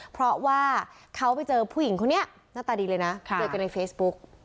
เพราะว่าเขาไปเจอผู้หญิงคนนี้หน้าตาดีเลยนะเจอกันในเฟซบุ๊ก